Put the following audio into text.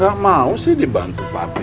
gak mau sih dibantu pabrik